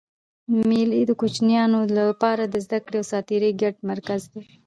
مېلې د کوچنيانو له پاره د زدهکړي او ساتېري ګډ مرکز دئ.